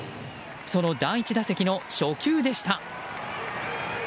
その第１打席の初球でした。